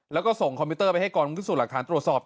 แล้วก็ส่งคอมพิวเตอร์ไปให้กองพิสูจน์หลักฐานตรวจสอบ